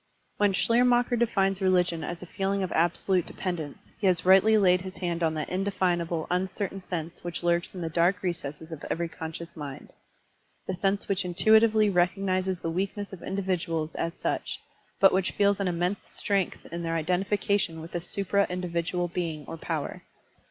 When Schleier macher defines religion as a feeling of absolute dependence, he has rightly laid his hand on that indefinable, uncertain sense which lurks in the dark recesses of every conscious mind, — ^the sense which intuitively recognizes the weakness of individuals as such, but which feels an immense strength in their identification with a supra individual being or power.